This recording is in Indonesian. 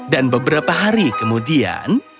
dan beberapa hari kemudian